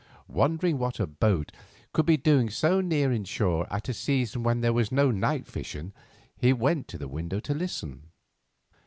Wondering what a boat could be doing so near inshore at a season when there was no night fishing, he went to the window to listen.